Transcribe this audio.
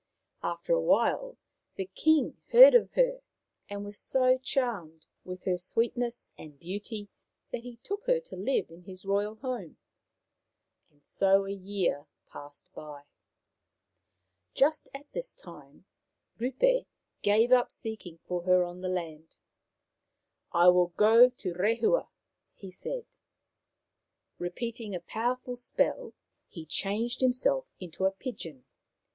After a while the king heard of her, and was so charmed with her sweetness and beauty that he took her to live in his royal home. So a year passed by. Just at this time Rupe gave up seeking for Brother and Sister 61 her on the land. " I will go to Rehua," he said. Repeating a powerful spell, he changed himself into a pigeon.